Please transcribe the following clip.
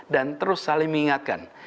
dan terus saling mengingatkan